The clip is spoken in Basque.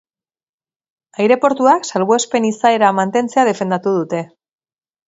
Aireportuak salbuespen izaera mantentzea defendatu dute.